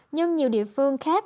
nhưng nhiều địa phương khác